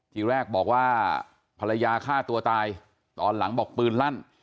ทีแรกบอกว่าภรรยาฆ่าตัวตายตอนหลังบอกปืนลั่น